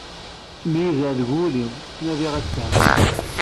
Ttmeyyizeɣ deg wul-iw, ttnadiɣ ad fehmeɣ.